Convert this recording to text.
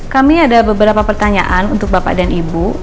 kami ada beberapa pertanyaan untuk bapak dan ibu